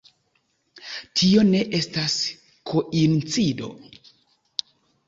Tio ne estas koincido.